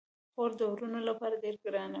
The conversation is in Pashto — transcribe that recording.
خور د وروڼو لپاره ډیره ګرانه وي.